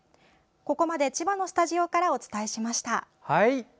ここまで千葉のスタジオからお伝えしました。